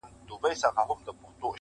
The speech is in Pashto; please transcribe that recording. بېزاره به سي خود يـــاره له جنگه ككـرۍ؛